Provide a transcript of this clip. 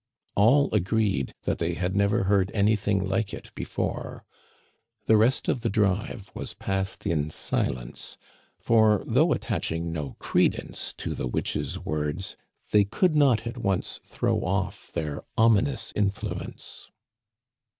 All agreed that they had never heard anything like it before. The rest of the drive was passed in silence ; for, though attaching no credence to the witch's words, they could not at once throw off their ominous influence.